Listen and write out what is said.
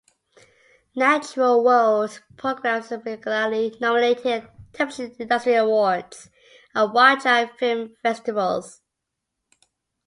"Natural World" programmes are regularly nominated at television industry awards and wildlife film festivals.